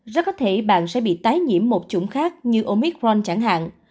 rất có thể bạn sẽ bị tái nhiễm một chủng khác như omicron chẳng hạn